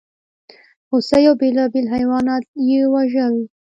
هوسۍ او بېلابېل حیوانات یې وژل.